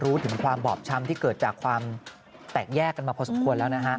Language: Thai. รู้ถึงความบช้าที่เกิดจากความแตกแยกกันมาพอสมควร